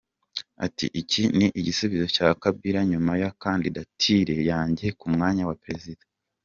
Ati ‘‘Iki ni igisubizo cya Kabila nyuma ya kandidatire yanjye ku mwanya wa Perezida.